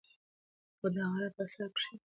خو د غرۀ پۀ سر کښې